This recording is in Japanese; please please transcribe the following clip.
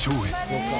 そうか。